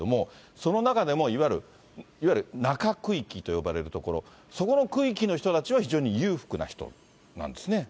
その中でも、いわゆる中区域と呼ばれる所、そこの区域の人たちは非常に裕福な人なんですよね。